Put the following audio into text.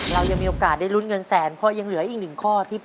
๑แสนบาทได้กลับบ้านในวันนี้